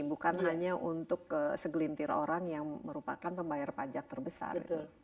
bukan hanya untuk segelintir orang yang merupakan pembayar pajak terbesar